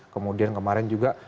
kemudian kemarin juga